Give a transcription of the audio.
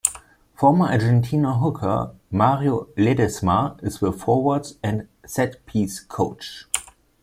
Former Argentina hooker Mario Ledesma is the forwards and set-piece coach.